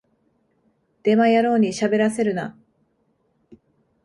デマ野郎にしゃべらせるな